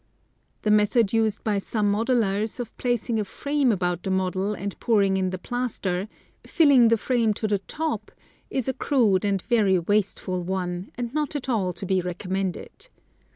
The method used by some modelers of placing a frame about the model and pouring in the plaster, filling the frame to the top, is a crude and very wasteful one and not at all to be recommended.